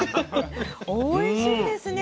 おいしいですね。